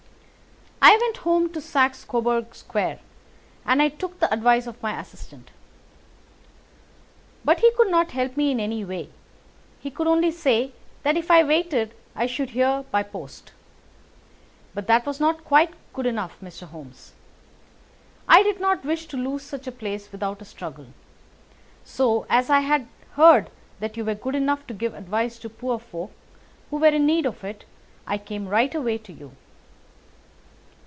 "I went home to Saxe Coburg Square, and I took the advice of my assistant. But he could not help me in any way. He could only say that if I waited I should hear by post. But that was not quite good enough, Mr. Holmes. I did not wish to lose such a place without a struggle, so, as I had heard that you were good enough to give advice to poor folk who were in need of it, I came right away to you."